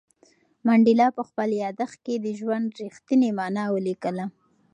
منډېلا په خپل یادښت کې د ژوند رښتینې مانا ولیکله.